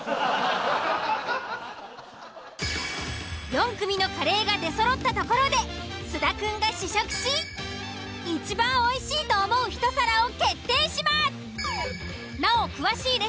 ４組のカレーが出そろったところで菅田くんが試食しいちばんおいしいと思うひと皿を決定します。